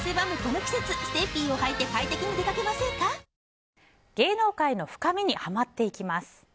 わかるぞ芸能界の深みにはまっていきます。